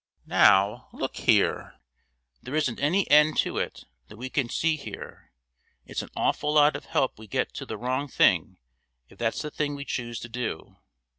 Now, look here, there isn't any end to it that we can see here; it's an awful lot of help we get to do the wrong thing if that's the thing we choose to do.